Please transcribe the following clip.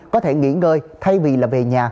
có thể nghỉ ngơi thay vì là về nhà